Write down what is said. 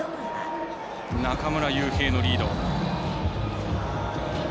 中村悠平のリード。